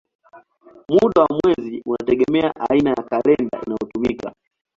Muda wa mwezi unategemea aina ya kalenda inayotumika.